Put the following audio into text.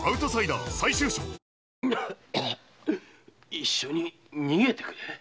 一緒に逃げてくれ？